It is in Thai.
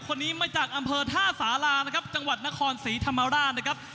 คนนี้มาจากอำเภอท่าสารานะครับจังหวัดนครศรีธรรมราชนะครับ